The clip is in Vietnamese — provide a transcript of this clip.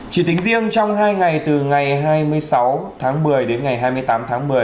chỉ tính riêng trong hai ngày từ ngày hai mươi sáu tháng một mươi đến ngày hai mươi tám tháng một mươi